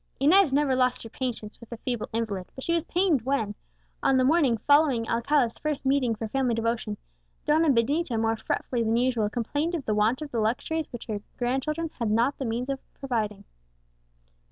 Inez never lost her patience with the feeble invalid, but she was pained when, on the morning following Alcala's first meeting for family devotion, Donna Benita more fretfully than usual complained of the want of the luxuries which her grandchildren had not the means of providing.